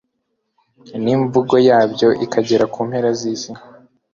n’imvugo yabyo ikagera ku mpera z’isi